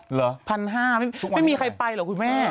เหรอ๑๕๐๐บาทไม่มีใครไปเหรอคุณแม่